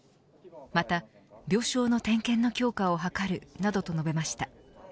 また病床の点検の強化を図るなどと述べました。